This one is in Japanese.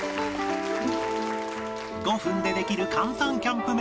５分でできる簡単キャンプ飯